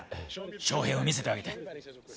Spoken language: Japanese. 翔平を見せてあげて。